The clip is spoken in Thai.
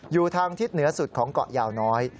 อยู่ทางทิศเหนือสุดของเกาะยาวน้อย